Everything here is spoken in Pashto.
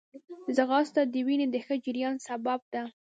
ځغاسته د وینې د ښه جریان سبب ده